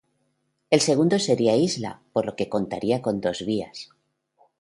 El segundo sería isla, por lo que contaría con dos vías.